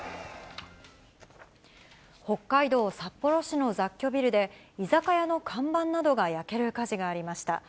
北海道札幌市の雑居ビルで、居酒屋の看板などが焼ける火事がありました。